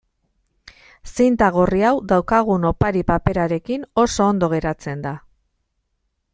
Zinta gorri hau daukagun opari-paperarekin oso ondo geratzen da.